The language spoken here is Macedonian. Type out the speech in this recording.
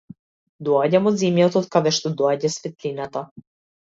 Доаѓам од земјата од каде што доаѓа светлината.